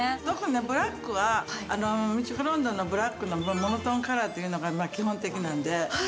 特にねブラックはミチコロンドンのブラックのモノトーンカラーっていうのが基本的なんで。